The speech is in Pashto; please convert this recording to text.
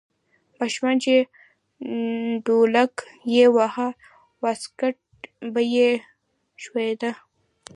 ماشوم چې ډولک یې واهه واسکټ به یې ښویده.